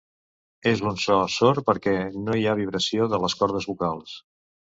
És un so sord perquè no hi ha vibració de les cordes vocals.